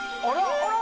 あら？